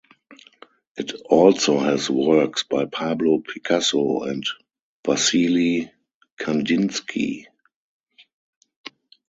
It also has works by Pablo Picasso and Wassily Kandinsky.